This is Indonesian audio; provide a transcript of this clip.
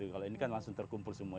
kalau ini kan langsung terkumpul semua